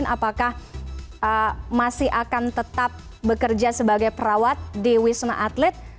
apakah masih akan tetap bekerja sebagai perawat di wisma atlet